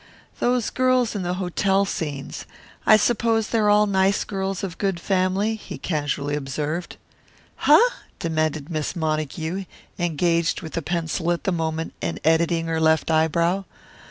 "Those girls in the hotel scenes I suppose they're all nice girls of good family?" he casually observed. "Huh?" demanded Miss Montague, engaged with a pencil at the moment in editing her left eyebrow.